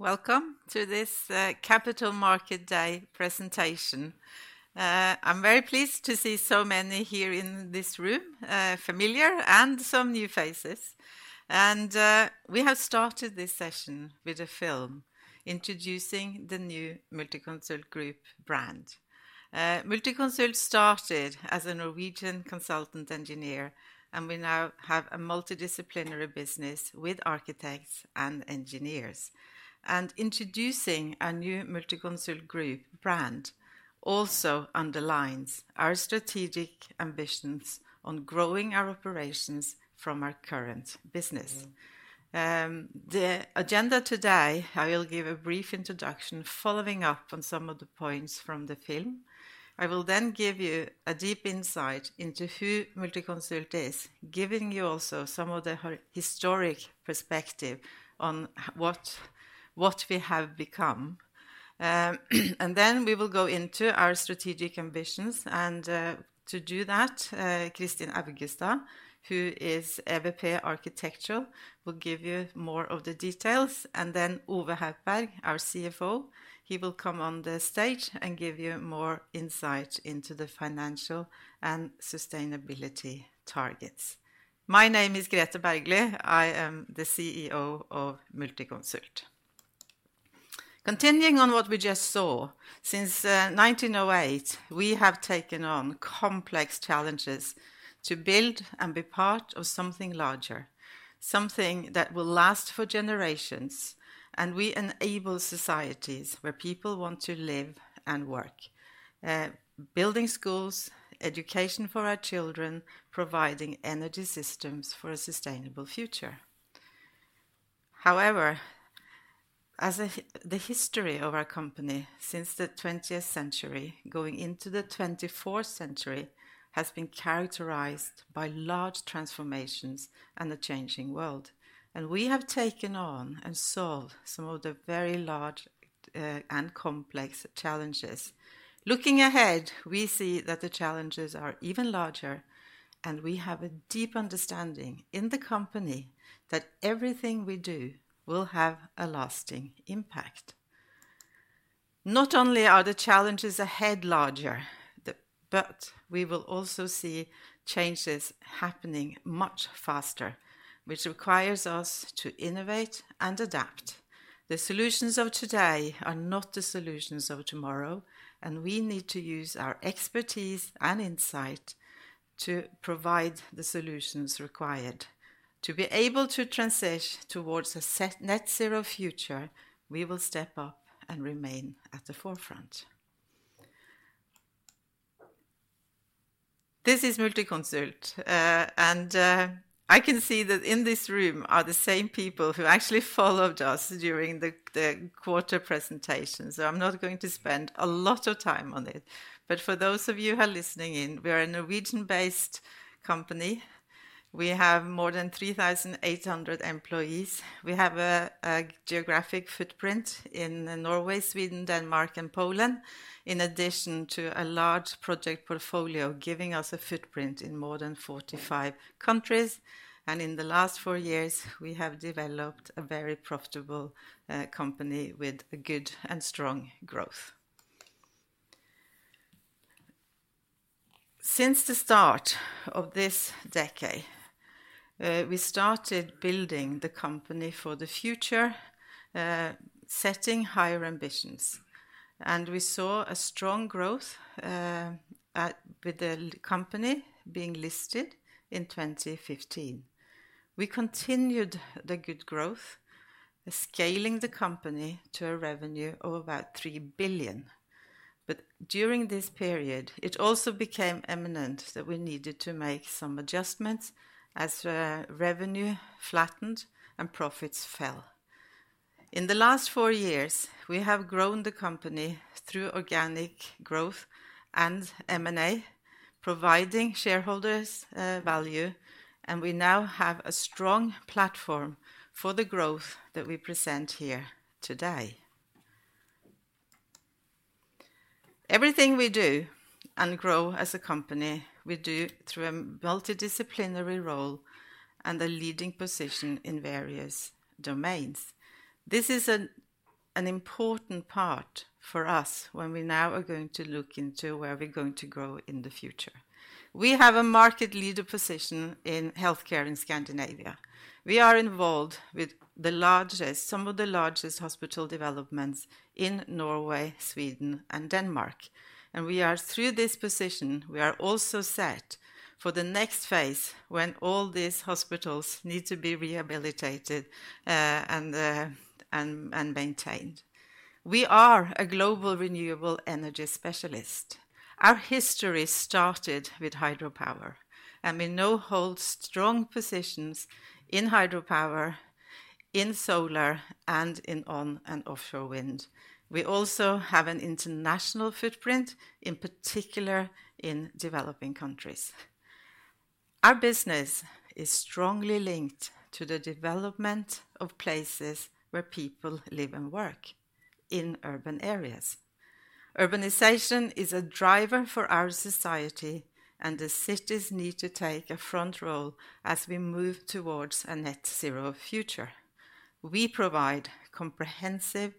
Welcome to this Capital Market Day presentation. I'm very pleased to see so many here in this room, familiar and some new faces, and we have started this session with a film introducing the new Multiconsult Group brand. Multiconsult started as a Norwegian consultant engineer, and we now have a multidisciplinary business with architects and engineers, and introducing a new Multiconsult Group brand also underlines our strategic ambitions on growing our operations from our current business. The agenda today, I will give a brief introduction following up on some of the points from the film. I will then give you a deep insight into who Multiconsult is, giving you also some of the historic perspective on what we have become, and then we will go into our strategic ambitions, and to do that, Kristin Augestad, who is EVP Architectural, will give you more of the details. Then Ove Haupberg, our CFO, he will come on the stage and give you more insight into the financial and sustainability targets. My name is Grethe Bergly. I am the CEO of Multiconsult. Continuing on what we just saw, since 1908, we have taken on complex challenges to build and be part of something larger, something that will last for generations, and we enable societies where people want to live and work, building schools, education for our children, providing energy systems for a sustainable future. However, as the history of our company since the 20th century going into the 21st century has been characterized by large transformations and a changing world. We have taken on and solved some of the very large and complex challenges. Looking ahead, we see that the challenges are even larger, and we have a deep understanding in the company that everything we do will have a lasting impact. Not only are the challenges ahead larger, but we will also see changes happening much faster, which requires us to innovate and adapt. The solutions of today are not the solutions of tomorrow, and we need to use our expertise and insight to provide the solutions required. To be able to transition towards a net zero future, we will step up and remain at the forefront. This is Multiconsult, and I can see that in this room are the same people who actually followed us during the quarter presentation. So I'm not going to spend a lot of time on it. But for those of you who are listening in, we are a Norwegian-based company. We have more than 3,800 employees. We have a geographic footprint in Norway, Sweden, Denmark, and Poland, in addition to a large project portfolio giving us a footprint in more than 45 countries. And in the last four years, we have developed a very profitable company with good and strong growth. Since the start of this decade, we started building the company for the future, setting higher ambitions. And we saw a strong growth with the company being listed in 2015. We continued the good growth, scaling the company to a revenue of about 3 billion. But during this period, it also became evident that we needed to make some adjustments as revenue flattened and profits fell. In the last four years, we have grown the company through organic growth and M&A, providing shareholders value. And we now have a strong platform for the growth that we present here today. Everything we do and grow as a company, we do through a multidisciplinary role and a leading position in various domains. This is an important part for us when we now are going to look into where we're going to grow in the future. We have a market leader position in healthcare in Scandinavia. We are involved with some of the largest hospital developments in Norway, Sweden, and Denmark, and we are, through this position, we are also set for the next phase when all these hospitals need to be rehabilitated and maintained. We are a global renewable energy specialist. Our history started with hydropower, and we now hold strong positions in hydropower, in solar, and in onshore and offshore wind. We also have an international footprint, in particular in developing countries. Our business is strongly linked to the development of places where people live and work in urban areas. Urbanization is a driver for our society, and the cities need to take a front role as we move towards a net zero future. We provide comprehensive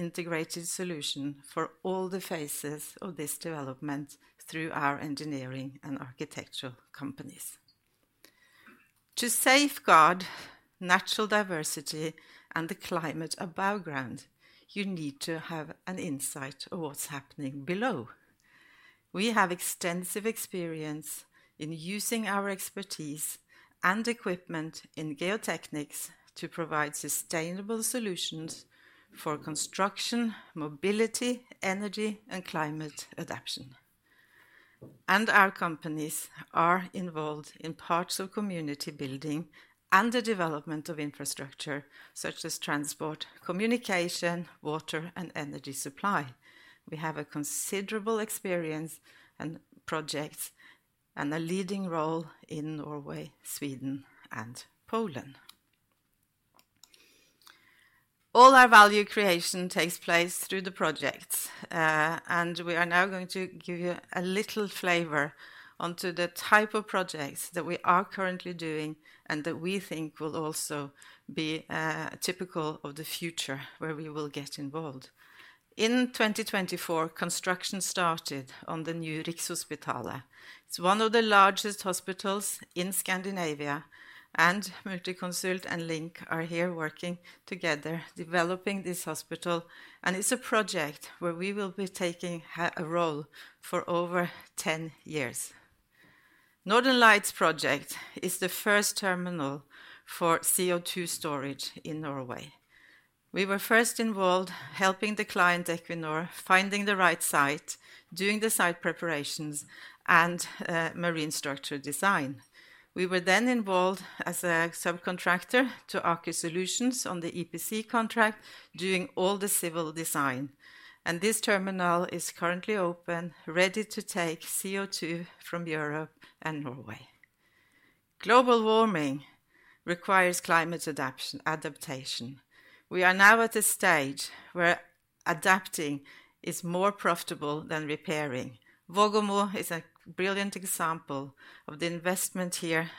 integrated solutions for all the faces of this development through our engineering and architectural companies. To safeguard natural diversity and the climate above ground, you need to have an insight of what's happening below. We have extensive experience in using our expertise and equipment in geotechnics to provide sustainable solutions for construction, mobility, energy, and climate adaptation, and our companies are involved in parts of community building and the development of infrastructure such as transport, communication, water, and energy supply. We have a considerable experience and projects and a leading role in Norway, Sweden, and Poland. All our value creation takes place through the projects. And we are now going to give you a little flavor onto the type of projects that we are currently doing and that we think will also be typical of the future where we will get involved. In 2024, construction started on the new Rikshospitalet. It's one of the largest hospitals in Scandinavia, and Multiconsult and LINK are here working together developing this hospital. And it's a project where we will be taking a role for over 10 years. Northern Lights Project is the first terminal for CO2 storage in Norway. We were first involved helping the client Equinor find the right site, doing the site preparations and marine structure design. We were then involved as a subcontractor to Aker Solutions on the EPC contract, doing all the civil design. And this terminal is currently open, ready to take CO2 from Europe and Norway. Global warming requires climate adaptation. We are now at a stage where adapting is more profitable than repairing. Vågåmo is a brilliant example of the investment here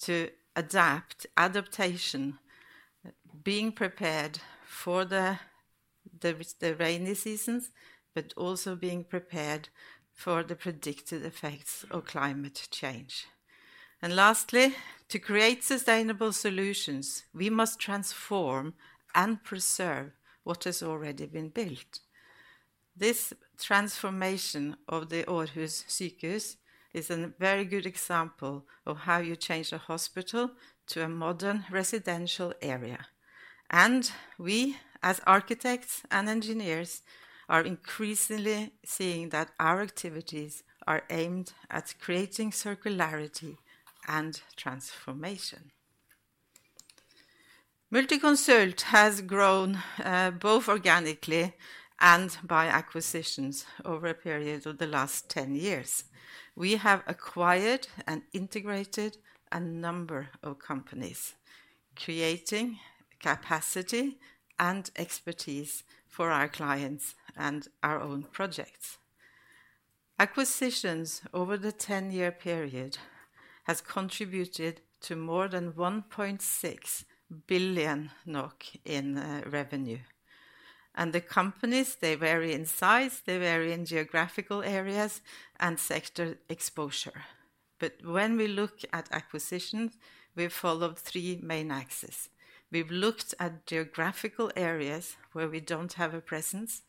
to adapt, adaptation, being prepared for the rainy seasons, but also being prepared for the predicted effects of climate change, and lastly, to create sustainable solutions, we must transform and preserve what has already been built. This transformation of the Aarhus Sykehus is a very good example of how you change a hospital to a modern residential area, and we, as architects and engineers, are increasingly seeing that our activities are aimed at creating circularity and transformation. Multiconsult has grown both organically and by acquisitions over a period of the last 10 years. We have acquired and integrated a number of companies, creating capacity and expertise for our clients and our own projects. Acquisitions over the 10-year period have contributed to more than 1.6 billion NOK in revenue. The companies, they vary in size, they vary in geographical areas and sector exposure. When we look at acquisitions, we followed three main axes. We've looked at geographical areas where we don't have a presence.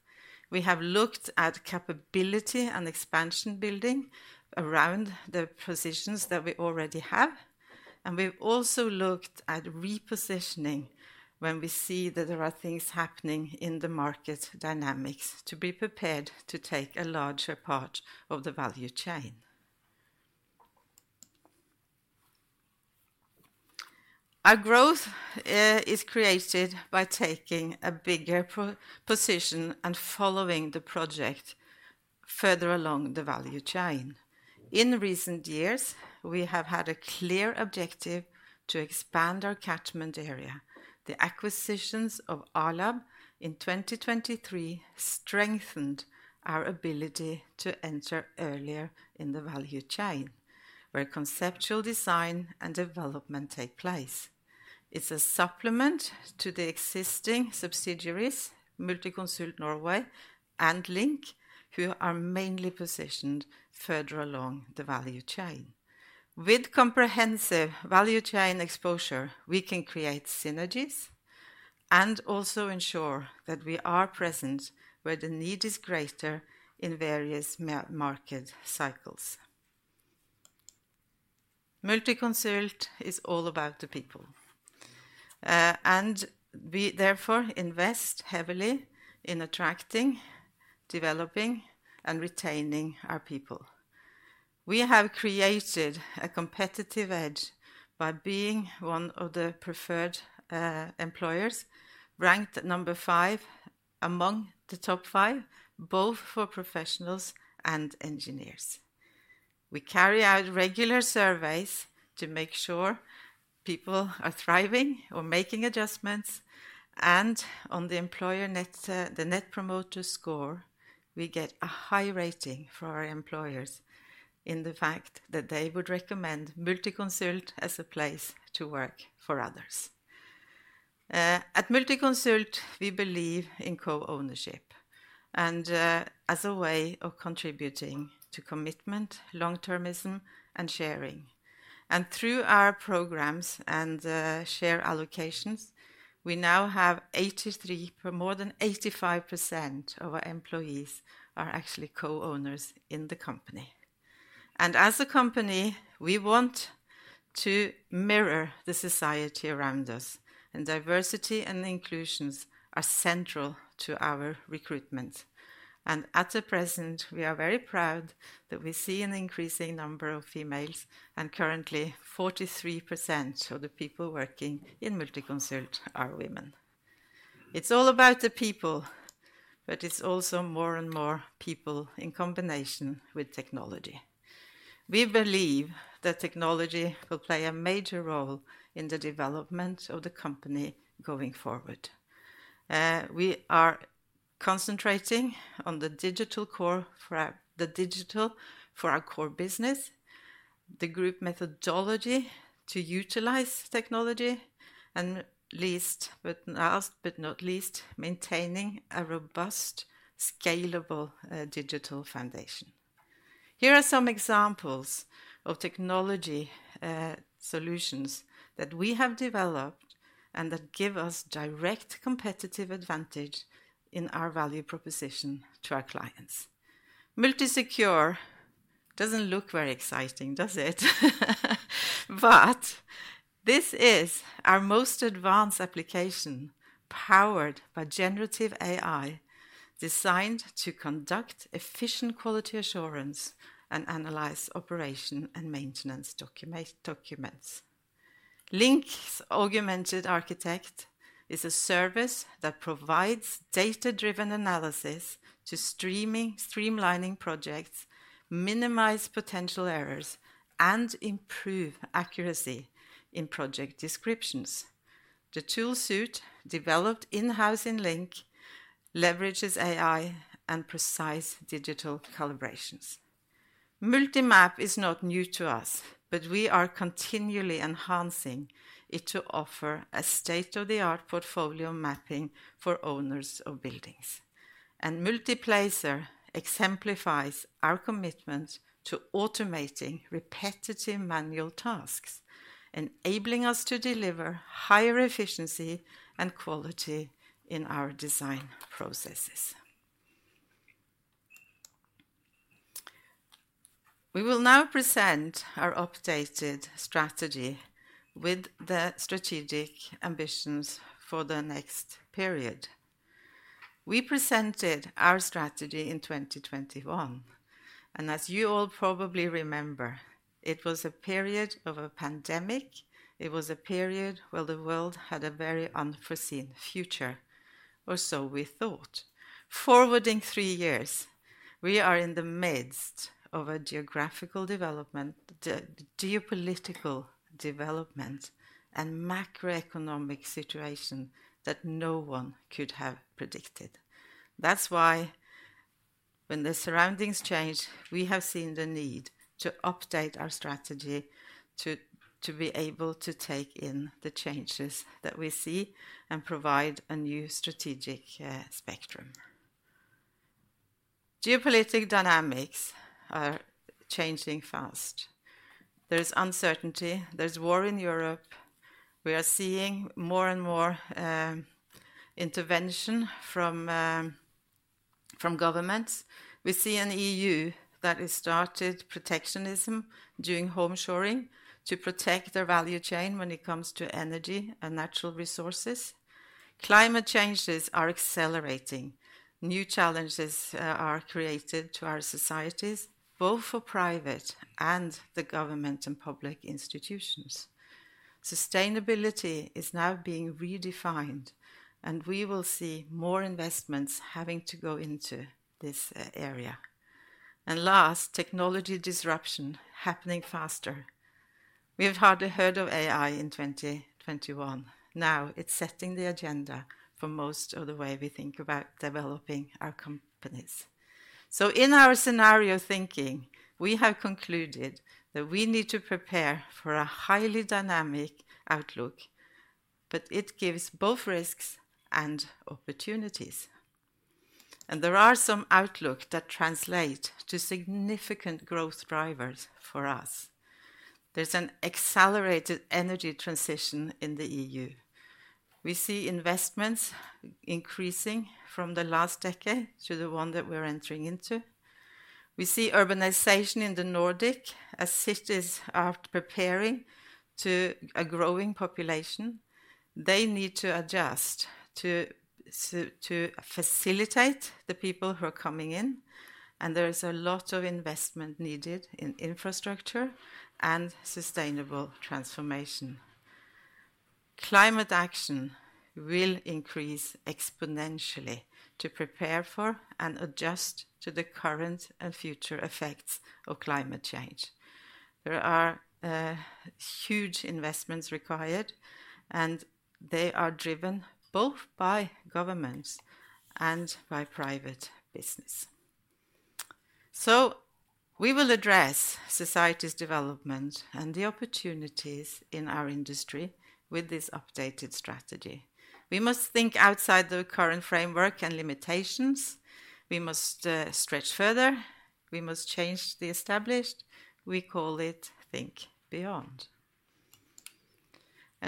We have looked at capability and expansion building around the positions that we already have. We've also looked at repositioning when we see that there are things happening in the market dynamics to be prepared to take a larger part of the value chain. Our growth is created by taking a bigger position and following the project further along the value chain. In recent years, we have had a clear objective to expand our catchment area. The acquisitions of A-lab in 2023 strengthened our ability to enter earlier in the value chain where conceptual design and development take place. It's a supplement to the existing subsidiaries, Multiconsult Norway and LINK, who are mainly positioned further along the value chain. With comprehensive value chain exposure, we can create synergies and also ensure that we are present where the need is greater in various market cycles. Multiconsult is all about the people, and we therefore invest heavily in attracting, developing, and retaining our people. We have created a competitive edge by being one of the preferred employers, ranked number five among the top five, both for professionals and engineers. We carry out regular surveys to make sure people are thriving or making adjustments, and on the Employer Net Promoter Score, we get a high rating for our employers in the fact that they would recommend Multiconsult as a place to work for others. At Multiconsult, we believe in co-ownership and as a way of contributing to commitment, long-termism, and sharing. And through our programs and share allocations, we now have 83%, more than 85% of our employees are actually co-owners in the company. And as a company, we want to mirror the society around us. And diversity and inclusions are central to our recruitment. And at the present, we are very proud that we see an increasing number of females, and currently 43% of the people working in Multiconsult are women. It's all about the people, but it's also more and more people in combination with technology. We believe that technology will play a major role in the development of the company going forward. We are concentrating on the digital core for our core business, the group methodology to utilize technology, and last but not least, maintaining a robust, scalable digital foundation. Here are some examples of technology solutions that we have developed and that give us direct competitive advantage in our value proposition to our clients. multiSecure doesn't look very exciting, does it? But this is our most advanced application powered by generative AI designed to conduct efficient quality assurance and analyze operation and maintenance documents. LINK's Augmented Architect is a service that provides data-driven analysis to streamlining projects, minimize potential errors, and improve accuracy in project descriptions. The tool suite developed in-house in LINK leverages AI and precise digital calibrations. MultiMap is not new to us, but we are continually enhancing it to offer a state-of-the-art portfolio mapping for owners of buildings, and MultiPlacer exemplifies our commitment to automating repetitive manual tasks, enabling us to deliver higher efficiency and quality in our design processes. We will now present our updated strategy with the strategic ambitions for the next period. We presented our strategy in 2021. And as you all probably remember, it was a period of a pandemic. It was a period where the world had a very unforeseen future, or so we thought. Fast-forwarding three years, we are in the midst of a geographical development, geopolitical development, and macroeconomic situation that no one could have predicted. That's why when the surroundings change, we have seen the need to update our strategy to be able to take in the changes that we see and provide a new strategic spectrum. Geopolitical dynamics are changing fast. There is uncertainty. There's war in Europe. We are seeing more and more intervention from governments. We see an EU that has started protectionism during homeshoring to protect their value chain when it comes to energy and natural resources. Climate changes are accelerating. New challenges are created to our societies, both for private and the government and public institutions. Sustainability is now being redefined, and we will see more investments having to go into this area. And last, technology disruption happening faster. We have hardly heard of AI in 2021. Now it's setting the agenda for most of the way we think about developing our companies. So in our scenario thinking, we have concluded that we need to prepare for a highly dynamic outlook, but it gives both risks and opportunities. And there are some outlooks that translate to significant growth drivers for us. There's an accelerated energy transition in the EU. We see investments increasing from the last decade to the one that we're entering into. We see urbanization in the Nordic as cities are preparing for a growing population. They need to adjust to facilitate the people who are coming in. There is a lot of investment needed in infrastructure and sustainable transformation. Climate action will increase exponentially to prepare for and adjust to the current and future effects of climate change. There are huge investments required, and they are driven both by governments and by private business. We will address society's development and the opportunities in our industry with this updated strategy. We must think outside the current framework and limitations. We must stretch further. We must change the established. We call it Think Beyond.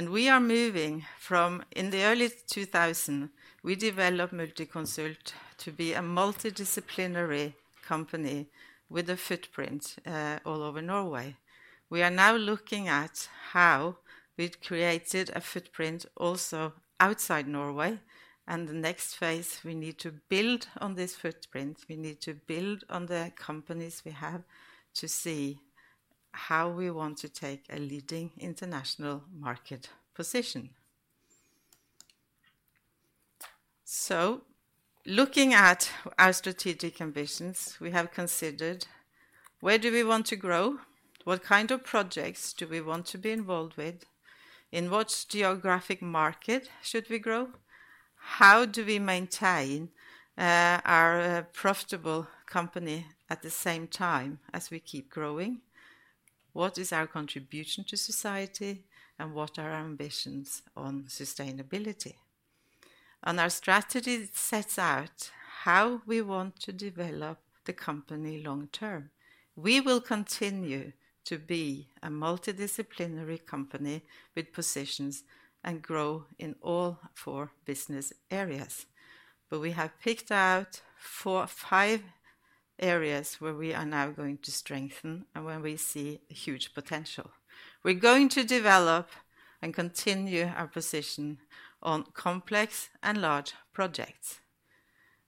We are moving from, in the early 2000, we developed Multiconsult to be a multidisciplinary company with a footprint all over Norway. We are now looking at how we've created a footprint also outside Norway. The next phase, we need to build on this footprint. We need to build on the companies we have to see how we want to take a leading international market position, so looking at our strategic ambitions, we have considered where do we want to grow, what kind of projects do we want to be involved with, in what geographic market should we grow, how do we maintain our profitable company at the same time as we keep growing, what is our contribution to society, and what are our ambitions on sustainability, and our strategy sets out how we want to develop the company long term. We will continue to be a multidisciplinary company with positions and grow in all four business areas, but we have picked out five areas where we are now going to strengthen and where we see huge potential. We're going to develop and continue our position on complex and large projects.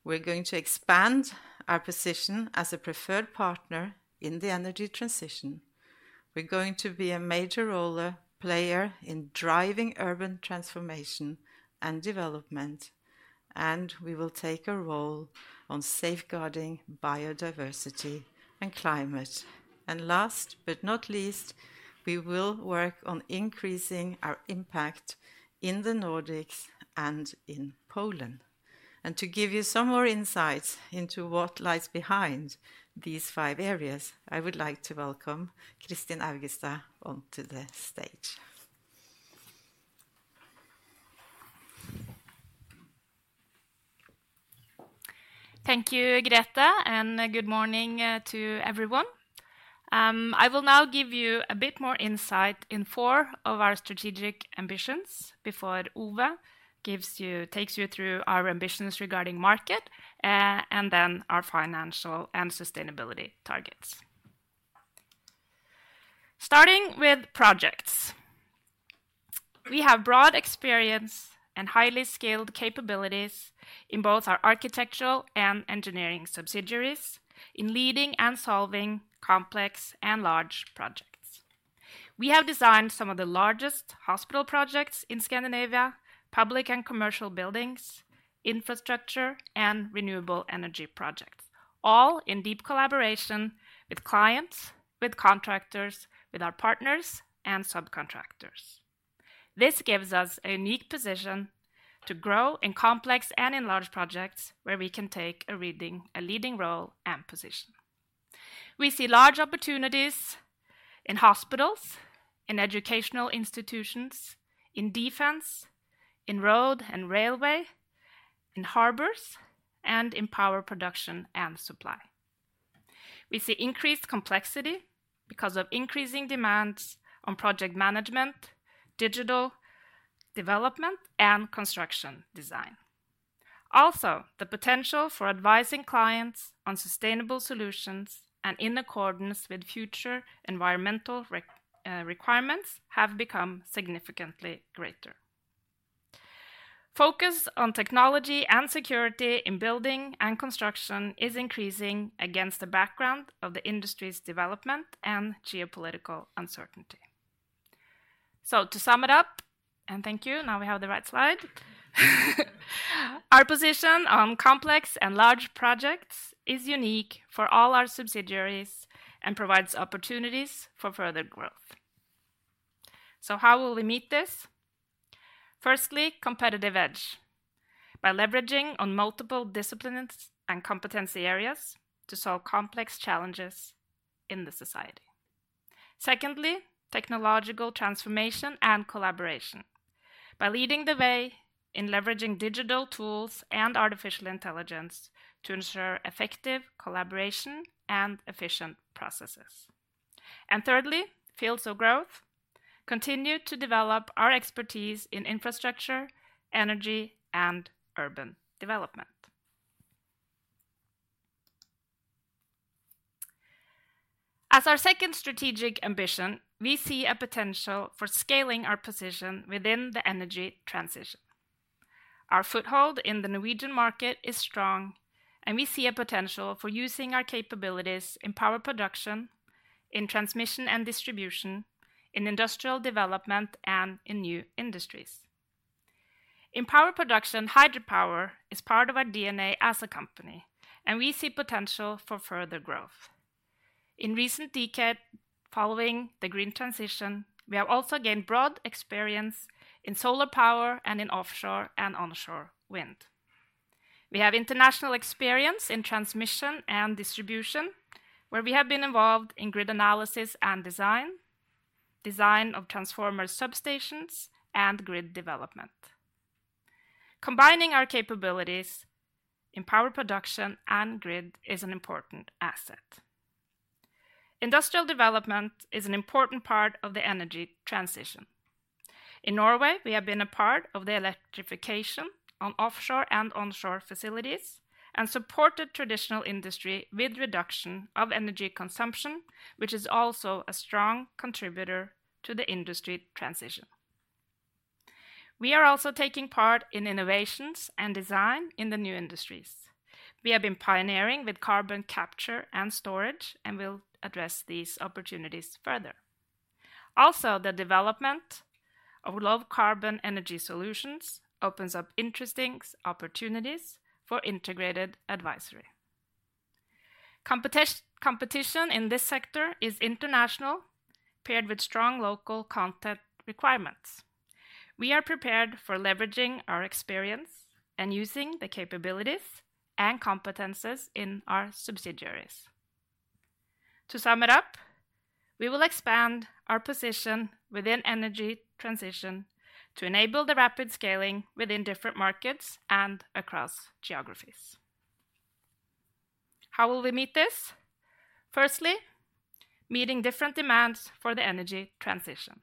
We're going to expand our position as a preferred partner in the energy transition. We're going to be a major role, a player in driving urban transformation and development. And we will take a role on safeguarding biodiversity and climate. And last but not least, we will work on increasing our impact in the Nordics and in Poland. And to give you some more insights into what lies behind these five areas, I would like to welcome Kristin Augestad onto the stage. Thank you, Grethe, and good morning to everyone. I will now give you a bit more insight in four of our strategic ambitions before Ove takes you through our ambitions regarding market and then our financial and sustainability targets. Starting with projects, we have broad experience and highly skilled capabilities in both our architectural and engineering subsidiaries in leading and solving complex and large projects. We have designed some of the largest hospital projects in Scandinavia, public and commercial buildings, infrastructure, and renewable energy projects, all in deep collaboration with clients, with contractors, with our partners and subcontractors. This gives us a unique position to grow in complex and enlarged projects where we can take a leading role and position. We see large opportunities in hospitals, in educational institutions, in defense, in road and railway, in harbors, and in power production and supply. We see increased complexity because of increasing demands on project management, digital development, and construction design. Also, the potential for advising clients on sustainable solutions and in accordance with future environmental requirements have become significantly greater. Focus on technology and security in building and construction is increasing against the background of the industry's development and geopolitical uncertainty. So to sum it up, and thank you, now we have the right slide. Our position on complex and large projects is unique for all our subsidiaries and provides opportunities for further growth. So how will we meet this? Firstly, competitive edge by leveraging on multiple disciplines and competency areas to solve complex challenges in the society. Secondly, technological transformation and collaboration by leading the way in leveraging digital tools and artificial intelligence to ensure effective collaboration and efficient processes. And thirdly, fields of growth, continue to develop our expertise in infrastructure, energy, and urban development. As our second strategic ambition, we see a potential for scaling our position within the energy transition. Our foothold in the Norwegian market is strong, and we see a potential for using our capabilities in power production, in transmission and distribution, in industrial development, and in new industries. In power production, hydropower is part of our DNA as a company, and we see potential for further growth. In recent decades following the green transition, we have also gained broad experience in solar power and in offshore and onshore wind. We have international experience in transmission and distribution, where we have been involved in grid analysis and design, design of transformer substations, and grid development. Combining our capabilities in power production and grid is an important asset. Industrial development is an important part of the energy transition. In Norway, we have been a part of the electrification on offshore and onshore facilities and supported traditional industry with reduction of energy consumption, which is also a strong contributor to the industry transition. We are also taking part in innovations and design in the new industries. We have been pioneering with carbon capture and storage and will address these opportunities further. Also, the development of low-carbon energy solutions opens up interesting opportunities for integrated advisory. Competition in this sector is international, paired with strong local content requirements. We are prepared for leveraging our experience and using the capabilities and competencies in our subsidiaries. To sum it up, we will expand our position within energy transition to enable the rapid scaling within different markets and across geographies. How will we meet this? Firstly, meeting different demands for the energy transition.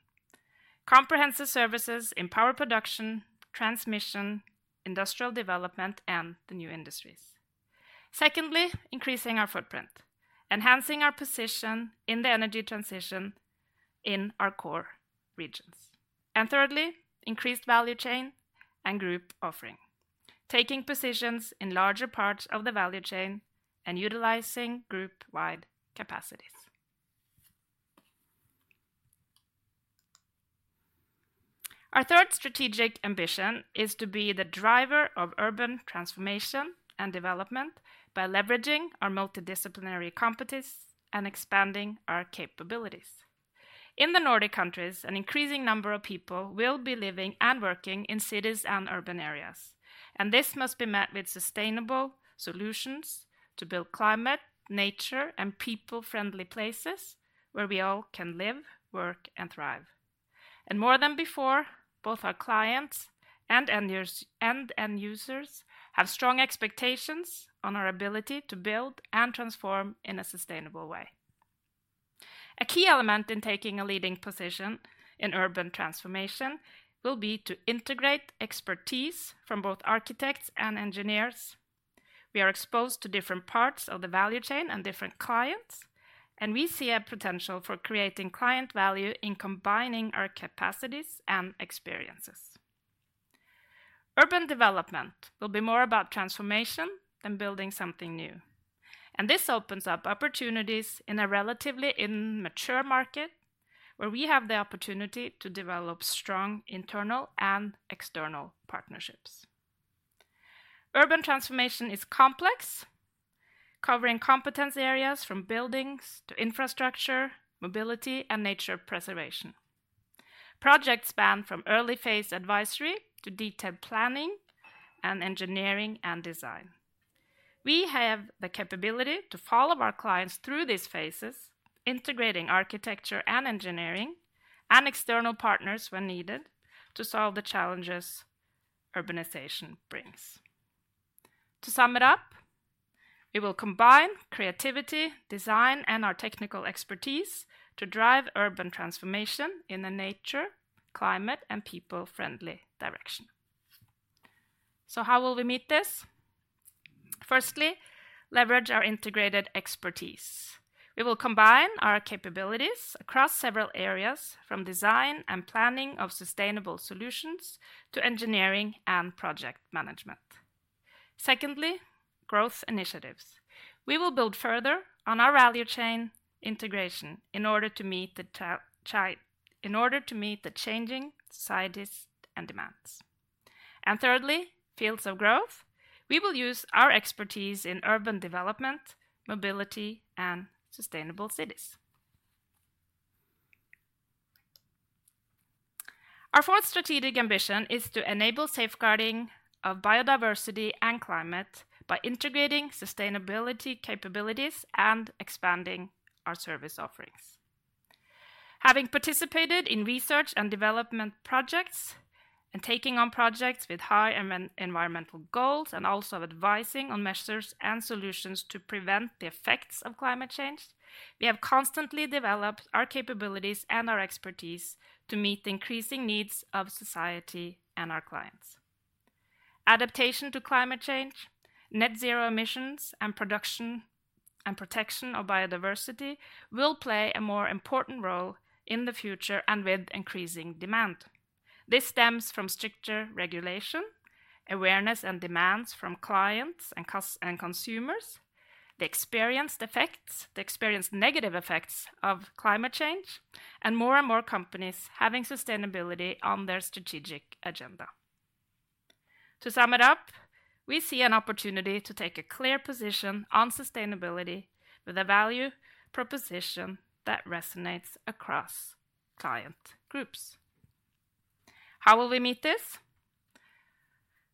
Comprehensive services in power production, transmission, industrial development, and the new industries. Secondly, increasing our footprint, enhancing our position in the energy transition in our core regions. And thirdly, increased value chain and group offering, taking positions in larger parts of the value chain and utilizing group-wide capacities. Our third strategic ambition is to be the driver of urban transformation and development by leveraging our multidisciplinary competencies and expanding our capabilities. In the Nordic countries, an increasing number of people will be living and working in cities and urban areas. And this must be met with sustainable solutions to build climate, nature, and people-friendly places where we all can live, work, and thrive. And more than before, both our clients and end users have strong expectations on our ability to build and transform in a sustainable way. A key element in taking a leading position in urban transformation will be to integrate expertise from both architects and engineers. We are exposed to different parts of the value chain and different clients, and we see a potential for creating client value in combining our capacities and experiences. Urban development will be more about transformation than building something new. And this opens up opportunities in a relatively immature market where we have the opportunity to develop strong internal and external partnerships. Urban transformation is complex, covering competence areas from buildings to infrastructure, mobility, and nature preservation. Projects span from early phase advisory to detailed planning and engineering and design. We have the capability to follow our clients through these phases, integrating architecture and engineering and external partners when needed to solve the challenges urbanization brings. To sum it up, we will combine creativity, design, and our technical expertise to drive urban transformation in a nature, climate, and people-friendly direction. So how will we meet this? Firstly, leverage our integrated expertise. We will combine our capabilities across several areas from design and planning of sustainable solutions to engineering and project management. Secondly, growth initiatives. We will build further on our value chain integration in order to meet the changing societies and demands. And thirdly, fields of growth. We will use our expertise in urban development, mobility, and sustainable cities. Our fourth strategic ambition is to enable safeguarding of biodiversity and climate by integrating sustainability capabilities and expanding our service offerings. Having participated in research and development projects and taking on projects with high environmental goals and also advising on measures and solutions to prevent the effects of climate change, we have constantly developed our capabilities and our expertise to meet increasing needs of society and our clients. Adaptation to climate change, net zero emissions, and production and protection of biodiversity will play a more important role in the future and with increasing demand. This stems from stricter regulation, awareness, and demands from clients and consumers, the experienced effects, the experienced negative effects of climate change, and more and more companies having sustainability on their strategic agenda. To sum it up, we see an opportunity to take a clear position on sustainability with a value proposition that resonates across client groups. How will we meet this?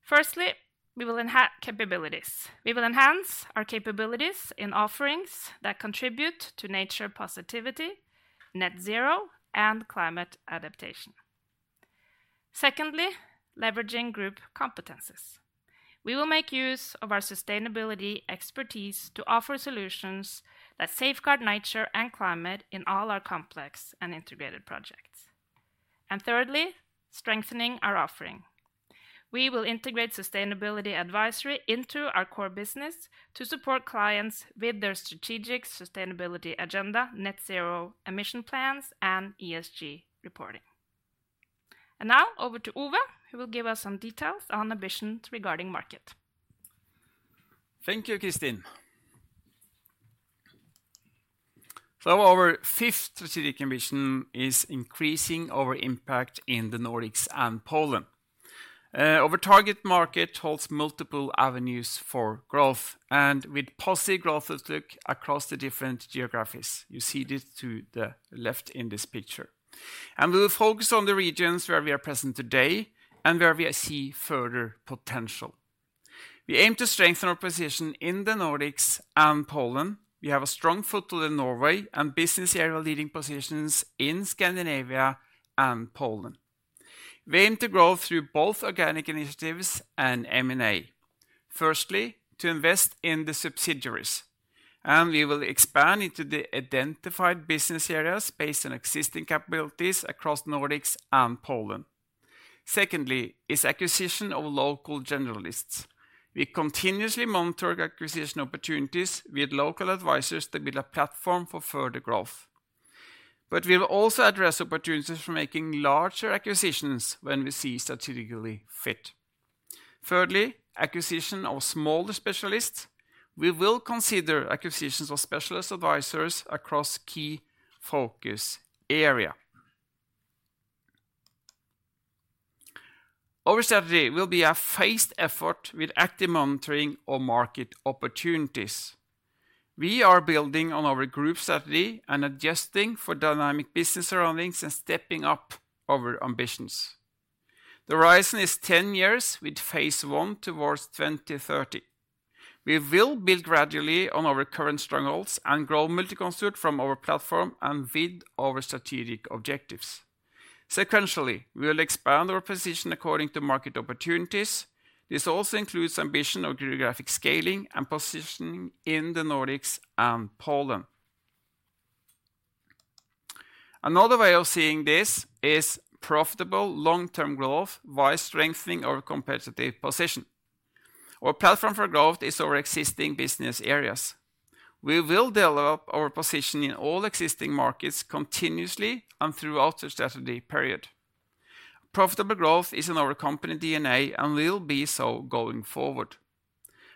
Firstly, we will enhance capabilities. We will enhance our capabilities in offerings that contribute to nature positivity, net zero, and climate adaptation. Secondly, leveraging group competencies. We will make use of our sustainability expertise to offer solutions that safeguard nature and climate in all our complex and integrated projects. And thirdly, strengthening our offering. We will integrate sustainability advisory into our core business to support clients with their strategic sustainability agenda, net zero emission plans, and ESG reporting. And now over to Ove, who will give us some details on ambitions regarding market. Thank you, Kristin. So our fifth strategic ambition is increasing our impact in the Nordics and Poland. Our target market holds multiple avenues for growth and with positive growth outlook across the different geographies. You see this to the left in this picture, and we will focus on the regions where we are present today and where we see further potential. We aim to strengthen our position in the Nordics and Poland. We have a strong foothold in Norway and business area leading positions in Scandinavia and Poland. We aim to grow through both organic initiatives and M&A. Firstly, to invest in the subsidiaries, and we will expand into the identified business areas based on existing capabilities across the Nordics and Poland. Secondly, is acquisition of local generalists. We continuously monitor acquisition opportunities with local advisors to build a platform for further growth, but we will also address opportunities for making larger acquisitions when we see strategically fit. Thirdly, acquisition of smaller specialists. We will consider acquisitions of specialist advisors across key focus areas. Our strategy will be a phased effort with active monitoring of market opportunities. We are building on our group strategy and adjusting for dynamic business surroundings and stepping up our ambitions. The horizon is 10 years with phase one towards 2030. We will build gradually on our current strengths and grow Multiconsult from our platform and with our strategic objectives. Sequentially, we will expand our position according to market opportunities. This also includes ambition of geographic scaling and positioning in the Nordics and Poland. Another way of seeing this is profitable long-term growth via strengthening our competitive position. Our platform for growth is our existing business areas. We will develop our position in all existing markets continuously and throughout the strategy period. Profitable growth is in our company DNA and will be so going forward.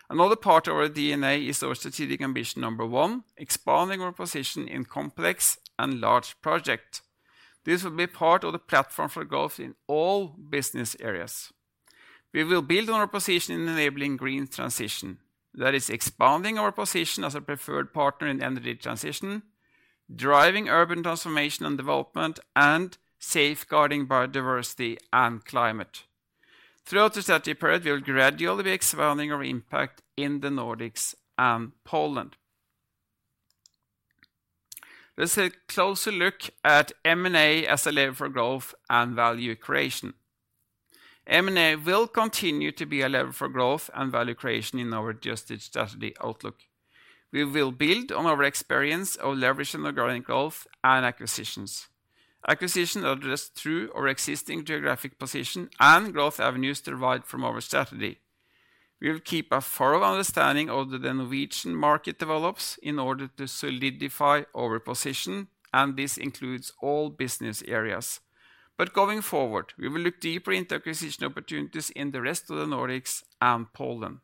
Another part of our DNA is our strategic ambition number one, expanding our position in complex and large projects. This will be part of the platform for growth in all business areas. We will build on our position in enabling green transition. That is, expanding our position as a preferred partner in energy transition, driving urban transformation and development, and safeguarding biodiversity and climate. Throughout the strategy period, we will gradually be expanding our impact in the Nordics and Poland. Let's take a closer look at M&A as a lever for growth and value creation. M&A will continue to be a lever for growth and value creation in our strategy outlook. We will build on our experience of leveraging regarding growth and acquisitions. Acquisitions address through our existing geographic position and growth avenues derived from our strategy. We will keep a thorough understanding of the Norwegian market developments in order to solidify our position, and this includes all business areas. But going forward, we will look deeper into acquisition opportunities in the rest of the Nordics and Poland.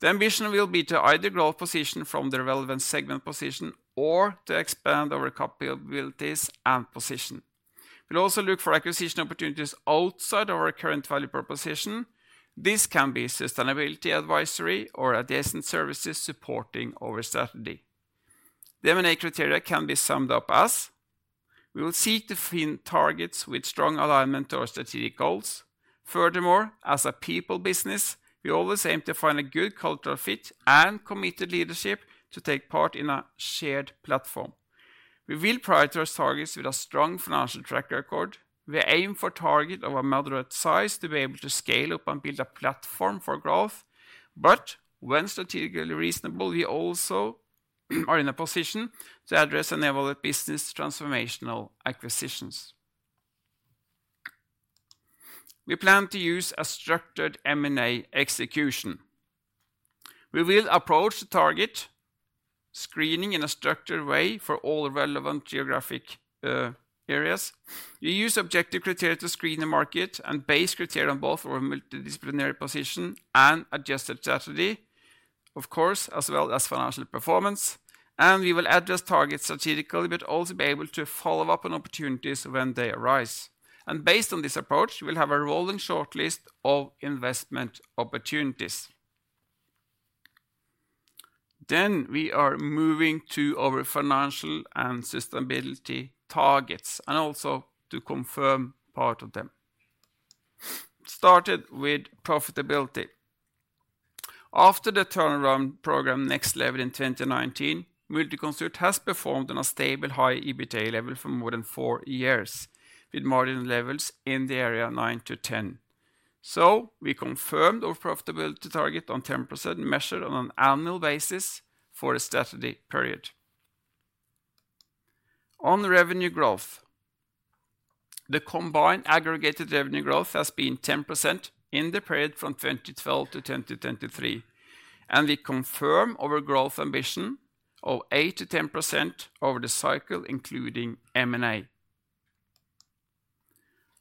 The ambition will be to either grow position from the relevant segment position or to expand our capabilities and position. We'll also look for acquisition opportunities outside our current value proposition. This can be sustainability advisory or adjacent services supporting our strategy. The M&A criteria can be summed up as: We will seek to find targets with strong alignment to our strategic goals. Furthermore, as a people business, we always aim to find a good cultural fit and committed leadership to take part in a shared platform. We will prioritize targets with a strong financial track record. We aim for targets of a moderate size to be able to scale up and build a platform for growth. But when strategically reasonable, we also are in a position to address and enable business transformational acquisitions. We plan to use a structured M&A execution. We will approach the target screening in a structured way for all relevant geographic areas. We use objective criteria to screen the market and base criteria on both our multidisciplinary position and adjusted strategy, of course, as well as financial performance. And we will address targets strategically, but also be able to follow up on opportunities when they arise. And based on this approach, we'll have a rolling shortlist of investment opportunities. Then we are moving to our financial and sustainability targets and also to confirm part of them. Started with profitability. After the turnaround program, Next Level in 2019, Multiconsult has performed on a stable high EBITDA level for more than four years with margin levels in the area of 9%-10%. So we confirmed our profitability target on 10% measured on an annual basis for a strategy period. On revenue growth, the combined aggregated revenue growth has been 10% in the period from 2012 to 2023. And we confirm our growth ambition of 8%-10% over the cycle, including M&A.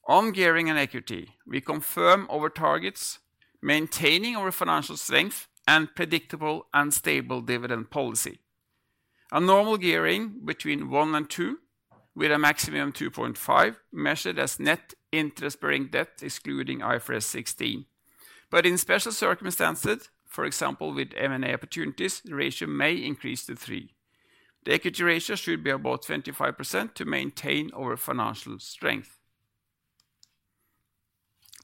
On gearing and equity, we confirm our targets, maintaining our financial strength and predictable and stable dividend policy. A normal gearing between one and two with a maximum of 2.5 measured as net interest-bearing debt, excluding IFRS 16. But in special circumstances, for example, with M&A opportunities, the ratio may increase to three. The equity ratio should be about 25% to maintain our financial strength.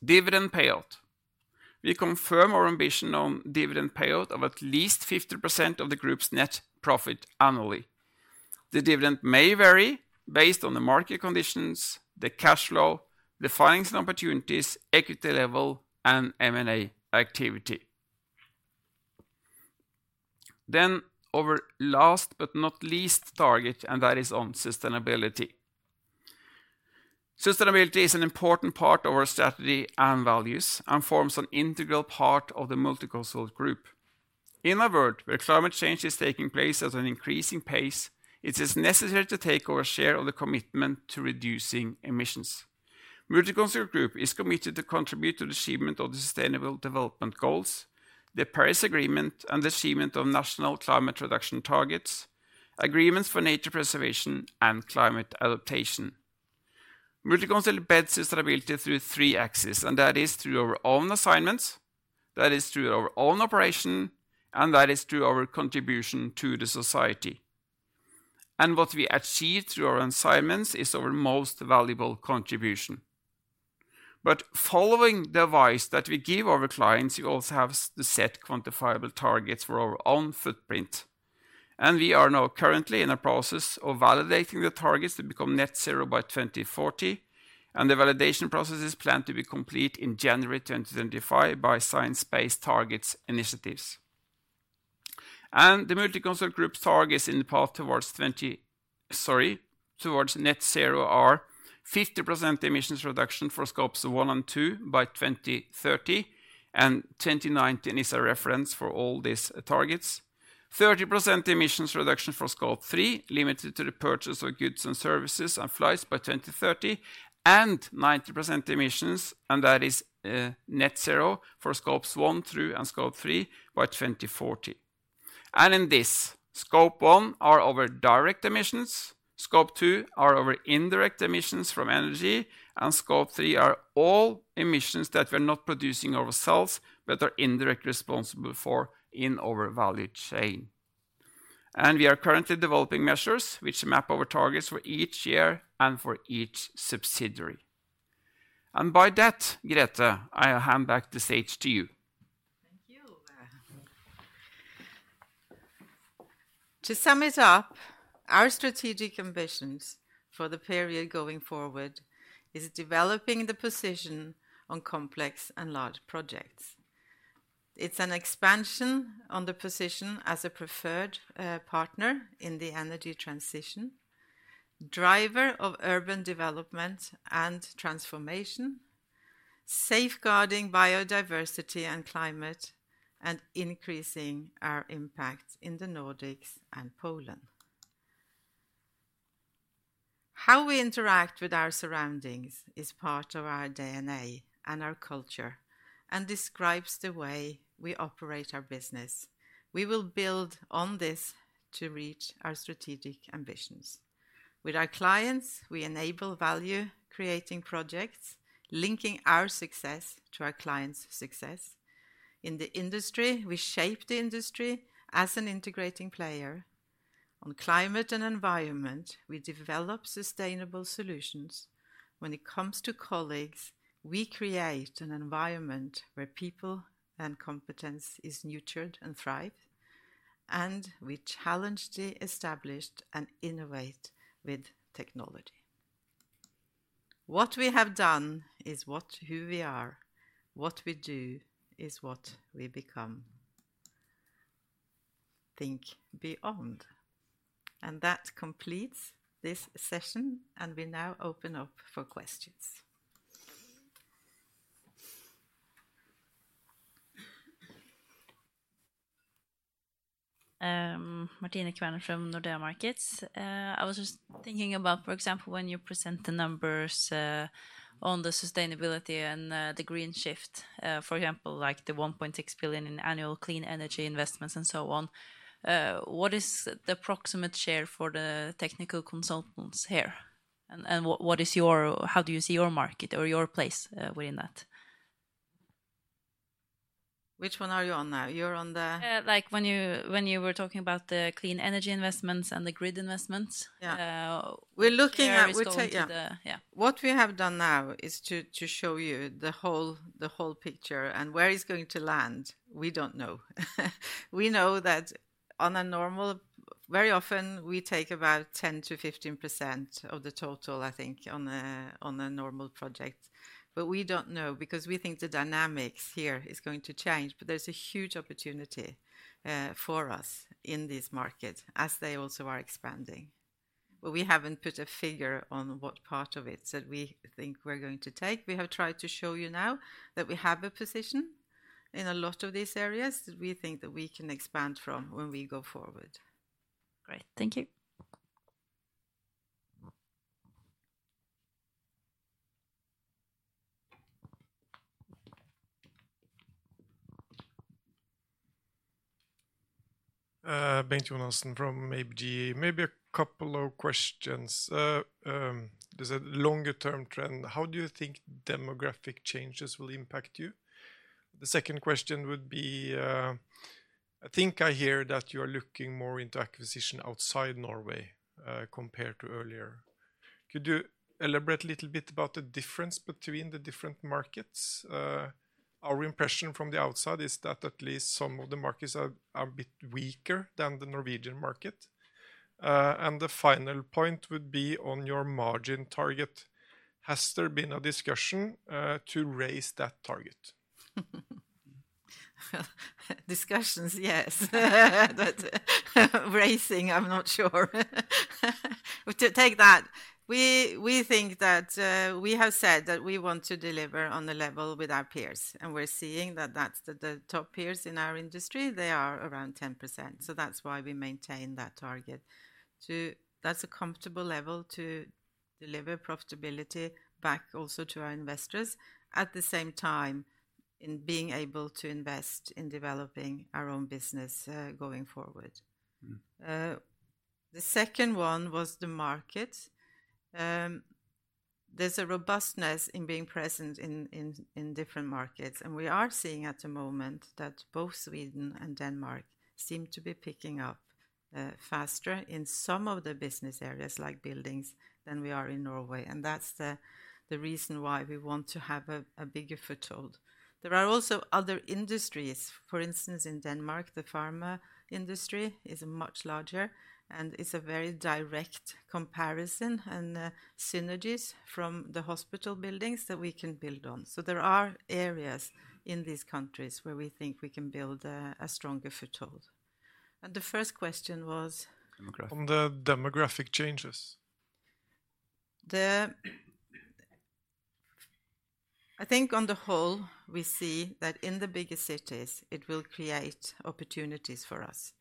Dividend payout. We confirm our ambition on dividend payout of at least 50% of the group's net profit annually. The dividend may vary based on the market conditions, the cash flow, the financing opportunities, equity level, and M&A activity. Then our last but not least target, and that is on sustainability. Sustainability is an important part of our strategy and values and forms an integral part of the Multiconsult Group. In a world where climate change is taking place at an increasing pace, it is necessary to take our share of the commitment to reducing emissions. Multiconsult Group is committed to contribute to the achievement of the Sustainable Development Goals, the Paris Agreement, and the achievement of national climate reduction targets, agreements for nature preservation, and climate adaptation. Multiconsult builds sustainability through three axes, and that is through our own assignments, that is through our own operation, and that is through our contribution to the society. And what we achieve through our assignments is our most valuable contribution. But following the advice that we give our clients, we also have to set quantifiable targets for our own footprint. And we are now currently in a process of validating the targets to become net zero by 2040. And the validation process is planned to be complete in January 2025 by Science Based Targets initiative. And the Multiconsult Group's targets in the path towards net zero are 50% emissions reduction for Scopes 1 and 2 by 2030. And 2019 is a reference for all these targets. 30% emissions reduction for Scope 3, limited to the purchase of goods and services and flights by 2030. 90% emissions, and that is net zero for scopes one, two, and Scope 3 by 2040. In this, Scope 1 are our direct emissions, Scope 2 are our indirect emissions from energy, and Scope 3 are all emissions that we're not producing ourselves, but are indirectly responsible for in our value chain. We are currently developing measures which map our targets for each year and for each subsidiary. By that, Grethe, I hand back the stage to you. Thank you. To sum it up, our strategic ambitions for the period going forward are developing the position on complex and large projects. It's an expansion on the position as a preferred partner in the energy transition, driver of urban development and transformation, safeguarding biodiversity and climate, and increasing our impact in the Nordics and Poland. How we interact with our surroundings is part of our DNA and our culture and describes the way we operate our business. We will build on this to reach our strategic ambitions. With our clients, we enable value-creating projects, linking our success to our clients' success. In the industry, we shape the industry as an integrating player. On climate and environment, we develop sustainable solutions. When it comes to colleagues, we create an environment where people and competence are nurtured and thrive, and we challenge the established and innovate with technology. What we have done is who we are. What we do is what we become. Think beyond, and that completes this session, and we now open up for questions. Martine Kverne from Nordea Markets. I was just thinking about, for example, when you present the numbers on the sustainability and the green shift, for example, like the 1.6 billion in annual clean energy investments and so on. What is the approximate share for the technical consultants here? And what is your, how do you see your market or your place within that? Which one are you on now? You're on the... Like when you were talking about the clean energy investments and the grid investments? Yeah. We're looking at what we have done now is to show you the whole picture. And where it's going to land, we don't know. We know that on a normal, very often we take about 10%-15% of the total, I think, on a normal project. But we don't know because we think the dynamics here are going to change. But there's a huge opportunity for us in this market as they also are expanding. But we haven't put a figure on what part of it that we think we're going to take. We have tried to show you now that we have a position in a lot of these areas that we think that we can expand from when we go forward. Great. Thank you. Bengt Jonassen from ABG. Maybe a couple of questions. There's a longer-term trend. How do you think demographic changes will impact you? The second question would be, I think I hear that you are looking more into acquisition outside Norway compared to earlier. Could you elaborate a little bit about the difference between the different markets? Our impression from the outside is that at least some of the markets are a bit weaker than the Norwegian market. And the final point would be on your margin target. Has there been a discussion to raise that target? Discussions, yes. But raising, I'm not sure. To take that, we think that we have said that we want to deliver on the level with our peers. And we're seeing that that's the top peers in our industry. They are around 10%. So that's why we maintain that target. That's a comfortable level to deliver profitability back also to our investors, at the same time in being able to invest in developing our own business going forward. The second one was the market. There's a robustness in being present in different markets. And we are seeing at the moment that both Sweden and Denmark seem to be picking up faster in some of the business areas, like buildings, than we are in Norway. And that's the reason why we want to have a bigger foothold. There are also other industries. For instance, in Denmark, the pharma industry is much larger. And it's a very direct comparison and synergies from the hospital buildings that we can build on. So there are areas in these countries where we think we can build a stronger foothold. And the first question was on the demographic changes. I think on the whole, we see that in the biggest cities, it will create opportunities for us.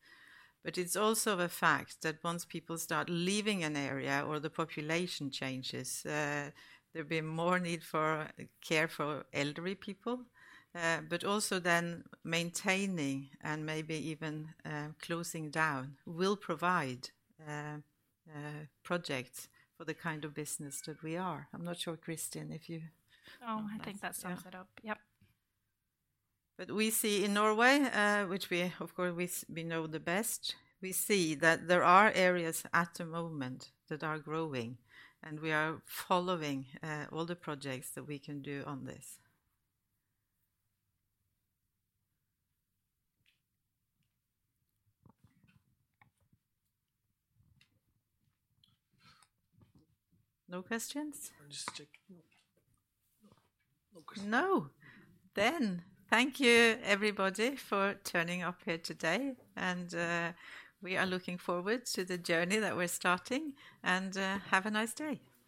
But it's also a fact that once people start leaving an area or the population changes, there will be more need for care for elderly people. But also then maintaining and maybe even closing down will provide projects for the kind of business that we are. I'm not sure, Kristin, if you... Oh, I think that sums it up. Yep. But we see in Norway, which we, of course, we know the best, we see that there are areas at the moment that are growing. And we are following all the projects that we can do on this. No questions? No questions. No. Then thank you, everybody, for turning up here today. And we are looking forward to the journey that we're starting. And have a nice day.